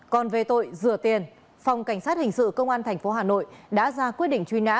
còn về tội rửa tiền phòng cảnh sát hình sự công an tp hà nội đã ra quyết định truy nã